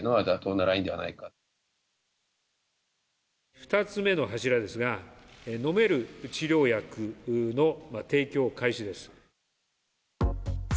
２つ目の柱ですが飲める治療薬の提供開始です。